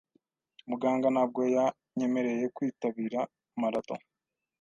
Muganga ntabwo yanyemereye kwitabira marato.